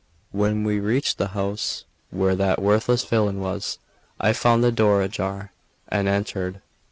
When we reached the house where that worthless villain was, I found the door ajar, and entered.